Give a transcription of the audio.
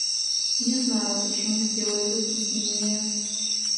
Не знаю, почему сделали затруднение.